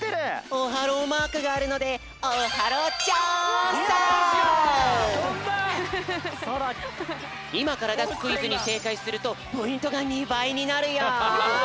オハローマークがあるのでいまからだすクイズにせいかいするとポイントが２ばいになるよ。